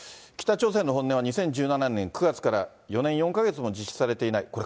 北朝鮮の本音は、２０１７年９月から４年４か月も実施されていない。